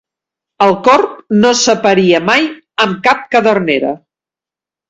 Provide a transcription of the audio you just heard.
El corb no s'aparia mai amb cap cadernera.